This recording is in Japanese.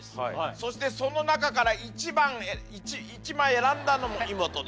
そしてその中から一番１枚選んだのもイモトです。